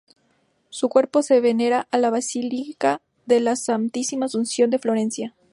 Su cuerpo se venera en la Basílica de la Santísima Anunciación de Florencia.